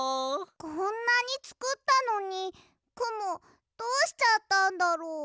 こんなにつくったのにくもどうしちゃったんだろう。